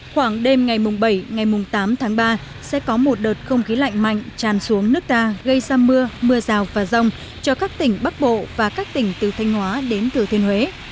khoảng đêm ngày bảy ngày tám tháng ba sẽ có một đợt không khí lạnh mạnh tràn xuống nước ta gây ra mưa mưa rào và rông cho các tỉnh bắc bộ và các tỉnh từ thanh hóa đến thừa thiên huế